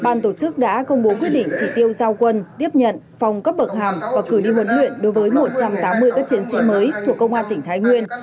ban tổ chức đã công bố quyết định chỉ tiêu giao quân tiếp nhận phòng cấp bậc hàm và cử đi huấn luyện đối với một trăm tám mươi các chiến sĩ mới thuộc công an tỉnh thái nguyên